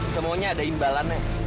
semuanya ada imbalannya